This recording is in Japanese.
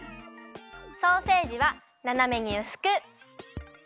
ソーセージはななめにうすく。